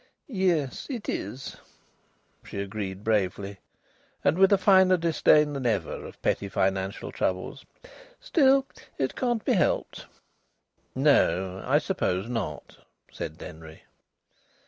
"Yes, it is!" she agreed bravely, and with a finer disdain than ever of petty financial troubles. "Still, it can't be helped." "No, I suppose not," said Denry.